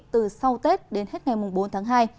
từ sau tết đến hết ngày bốn tháng hai